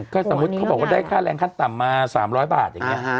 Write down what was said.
ก็สมมุติเขาบอกว่าได้ค่าแรงขั้นต่ำมา๓๐๐บาทอย่างนี้